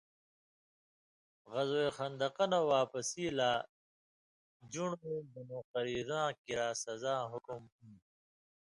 غزوہ خندقہ نہ واپسی لا ژُن٘ڑُوں بنوقریظاں کِریا سزاں حُکم ہُوۡندوۡ۔